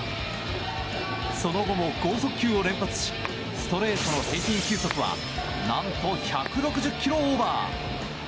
その後も豪速球を連発しストレートの平均球速は何と１６０キロオーバー！